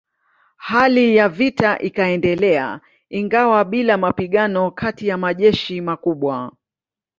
Hali ya vita ikaendelea ingawa bila mapigano kati ya majeshi makubwa.